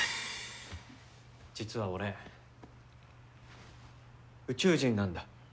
実は、俺、宇宙人なんだ。